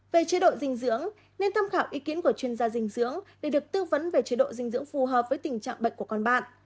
về chế độ dinh dưỡng nên tham khảo ý kiến của chuyên gia dinh dưỡng để được tư vấn về chế độ dinh dưỡng phù hợp với tình trạng bệnh của con bạn